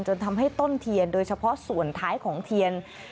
จนทำให้ต้นเทียนโดยเฉพาะส่วนท้ายของเทียน